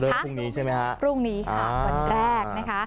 พรุ่งนี้ใช่ไหมฮะพรุ่งนี้ค่ะวันแรกนะคะ